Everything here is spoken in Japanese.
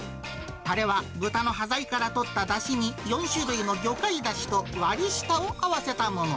たれは豚の端材からとっただしに４種類の魚介だしと割下を合わせたもの。